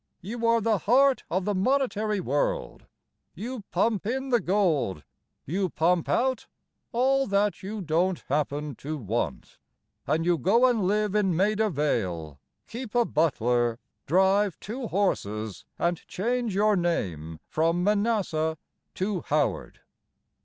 You are the heart of the monetary world, You pump in the gold, You pump out all that you don't happen to want. And you go and live in Maida Vale, Keep a butler, Drive two horses, And change your name from Manassah to Howard.